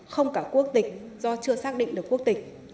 không cả quốc tịch do chưa xác định được quốc tịch